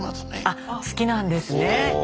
あっ好きなんですね。